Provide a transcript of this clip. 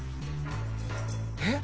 えっ！？